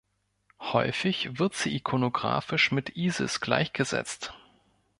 Häufig wird sie ikonografisch mit Isis gleichgesetzt.